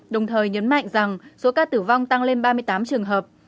đồng thời nhấn mạnh rằng số ca tử vong tăng lên ba mươi tám trường hợp